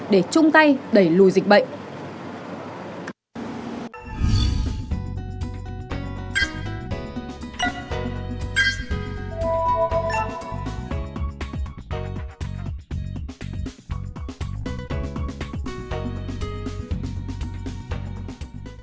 để chung tay đẩy lùi dịch bệnh